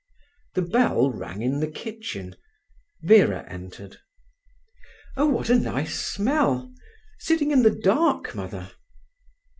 The bell rang in the kitchen. Vera entered. "Oh, what a nice smell! Sitting in the dark, Mother?"